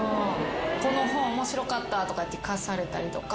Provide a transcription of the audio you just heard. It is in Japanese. この本面白かったとかいって貸されたりとか。